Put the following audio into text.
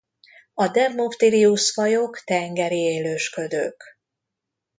A Dermophthirius-fajok tengeri élősködők.